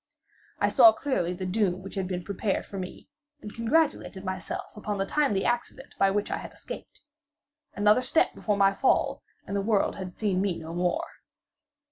I saw clearly the doom which had been prepared for me, and congratulated myself upon the timely accident by which I had escaped. Another step before my fall, and the world had seen me no more.